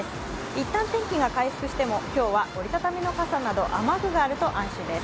一旦天気が回復しても、今日は折り畳みの傘など雨具があると安心です。